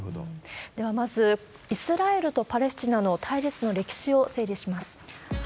では、まずイスラエルとパレスチナの対立の歴史を整理します。